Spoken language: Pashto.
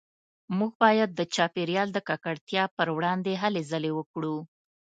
موږ باید د چاپیریال د ککړتیا پروړاندې هلې ځلې وکړو